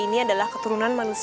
siapa gak tahu